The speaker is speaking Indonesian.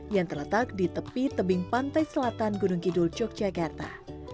yang terletak di tepi tebing pantai selatan gunung kidul yogyakarta